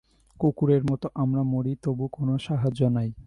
কুকুরের মত আমরা মরি, তবু কোন সাহায্য নাই।